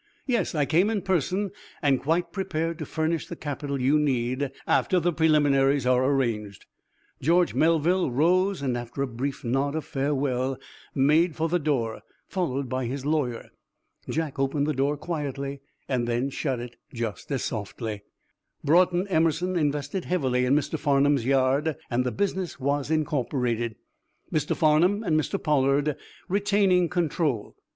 "Yes, I came in person, and quite prepared to furnish the capital you need after the preliminaries are arranged." George Melville rose and after a brief nod of farewell made for the door, followed by his lawyer. Jack opened the door quietly, then shut it just as softly. Broughton Emerson invested heavily in Mr. Farnum's yard and the business was incorporated, Mr. Farnum and Mr. Pollard retaining control.